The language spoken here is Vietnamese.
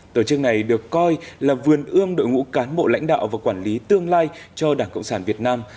tổ chức này được coi là vườn ương đội ngũ cán bộ lãnh đạo và quản lý tương lai cho đảng cộng sản việt nam